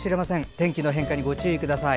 天気の変化にご注意ください。